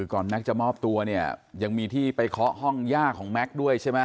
แก๊กจะมอบตัวเนี่ยยังมีที่ไปเคาะห้องย่าของแม็กซ์ด้วยใช่ไหม